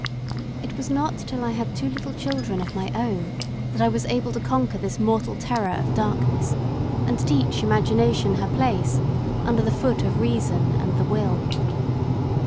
It was not till I had two little children of my own that I was able to conquer this mortal terror of darkness, and teach imagination her place, under the foot of reason and the will.